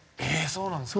そうなんですか？